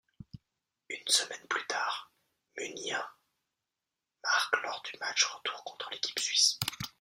Une semaine plus tard, Muniain marque lors du match retour contre l'équipe suisse.